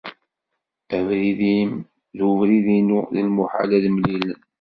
Abrid-im d ubrid-inu, d lmuḥal ad mlilen.